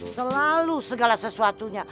selalu segala sesuatunya